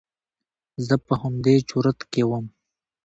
زه په همدې چورت کښې وم.